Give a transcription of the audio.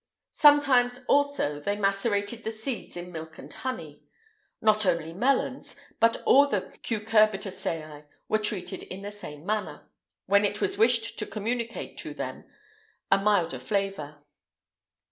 [IX 157] Sometimes also they macerated the seeds in milk and honey. Not only melons, but all the cucurbitaceæ were treated in this manner, when it was wished to communicate to them a milder flavour.